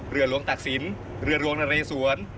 เรือหลวงตักศิลป์เรือลวงนะเรสวน